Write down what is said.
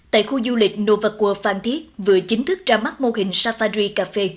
tại khu du lịch novakur phan thiết vừa chính thức ra mắt mô hình safari cafe